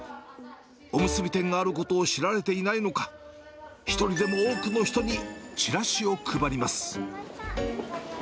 おむすび店があることを知られていないのか、一人でも多くの人にチラシを配ります。